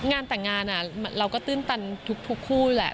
งานแต่งงานเราก็ตื้นตันทุกคู่แหละ